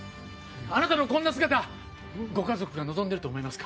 あなたのこんな姿ご家族が望んでると思いますか？